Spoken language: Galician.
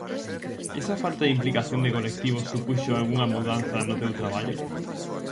Esa falta de implicación de colectivos supuxo algunha mudanza no teu traballo?